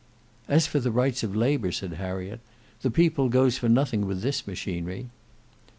"As for the rights of labour," said Harriet, "the people goes for nothing with this machinery."